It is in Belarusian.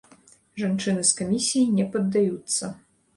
Жанчыны з камісіі не паддаюцца.